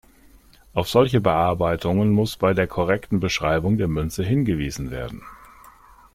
Auf solche Bearbeitungen muss bei der korrekten Beschreibung der Münze hingewiesen werden.